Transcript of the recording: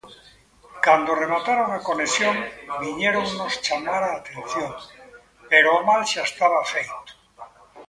Cando remataron a conexión viñéronnos chamar a atención, pero o mal xa estaba feito.